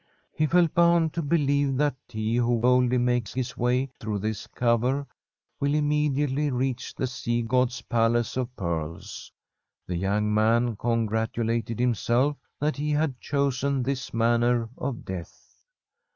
He felt bound to believe that he who boldly makes his way through this cover will immediately reach the sea god's palace of pearls. The young man congratulated himself that he had chosen this manner of death.